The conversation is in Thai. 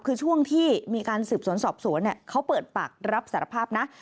คือช่วงที่มีการสืบสวนสอบสวนเขาเปิดปากรับสารภาพนะ